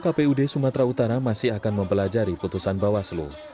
kpud sumatera utara masih akan mempelajari putusan bawaslu